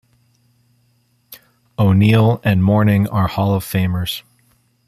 O'Neal and Mourning are Hall of Famers.